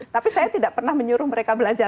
tapi saya tidak pernah menyuruh mereka belajar